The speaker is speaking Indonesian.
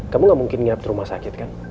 kamu gak mungkin engga nginap di rumah sakit kan